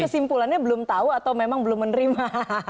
kesimpulannya belum tahu atau memang belum menerima